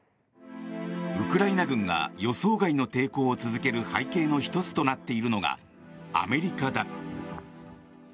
ウクライナ軍が予想外の抵抗を続ける背景の１つとなっているのがアメリカだ。